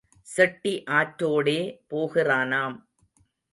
செட்டி ஆற்றோடே போகிறானாம்.